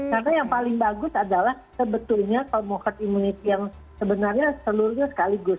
karena yang paling bagus adalah sebetulnya kalau mau herd immunity yang sebenarnya seluruhnya sekaligus